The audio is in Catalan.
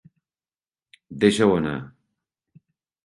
Deixa-ho anar.